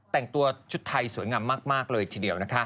แต่งตัวชุดไทยสวยงามมากเลยทีเดียวนะคะ